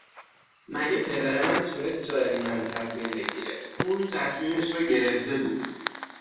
مگه پدر من تونست جای من تصمیم بگیره؟ اون تصمیمش رو گرفته بود